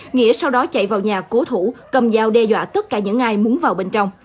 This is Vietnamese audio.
nghĩa sau đó chạy vào nhà cố thủ cầm dao đe dọa tất cả những ai muốn vào bên trong